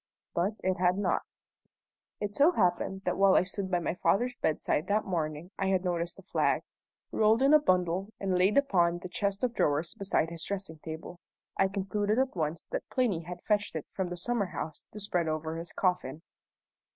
But it had not. It so happened that while I stood by my father's bedside that morning I had noticed a flag, rolled in a bundle and laid upon the chest of drawers beside his dressing table. I concluded at once that Plinny had fetched it from the summer house to spread over his coffin.